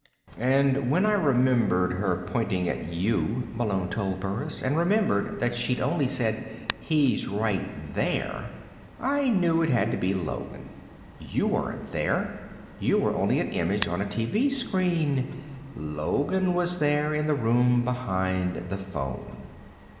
"And when I remembered her pointing at you," Malone told Burris, "and remembered that she'd only said: 'He's right there,' I knew it had to be Logan. You weren't there. You were only an image on a TV screen. Logan was there in the room behind the phone."